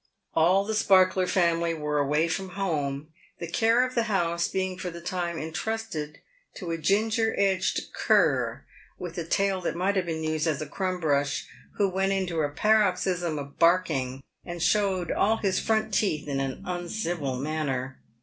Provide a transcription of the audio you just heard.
•^^* All the Sparkler family were away from home, the care of the house being for the time entrusted to a ginger edged cur, with a tail that might have been used as a crumb brush, who went into a paroxysm of barking, and showed all his front teeth in an uncivil manner.